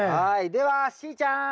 ではしーちゃん！